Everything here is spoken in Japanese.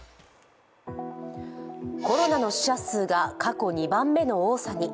コロナの死者数が過去２番目の多さに。